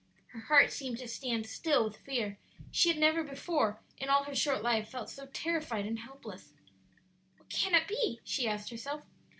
Her heart seemed to stand still with fear; she had never before, in all her short life, felt so terrified and helpless. "What can it be?" she asked herself.